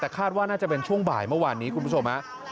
แต่คาดว่าน่าจะเป็นช่วงบ่ายเมื่อวานนี้คุณผู้ชมฮะ